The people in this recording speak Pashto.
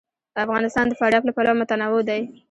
افغانستان د فاریاب له پلوه متنوع دی.